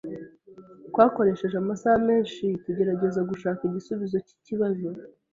Twakoresheje amasaha menshi tugerageza gushaka igisubizo cyikibazo.